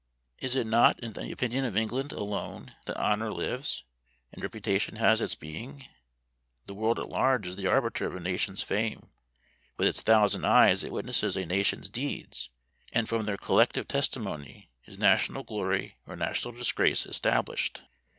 It is not in the opinion of England alone that honor lives, and reputation has its being. The world at large is the arbiter of a nation's fame: with its thousand eyes it witnesses a nation's deeds, and from their collective testimony is national glory or national disgrace established.